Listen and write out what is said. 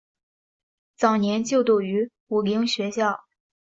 早年就读于武岭学校。